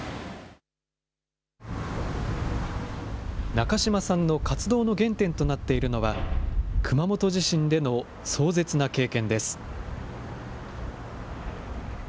中島さんの活動の原点となっているのは、熊本地震での壮絶な経験です。